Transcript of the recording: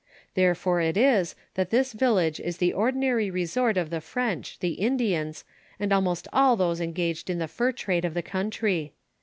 Tlierefore it is that this village is the ordinary resort of the French, the Indians, and almost all those engaged in the fur trade of the country.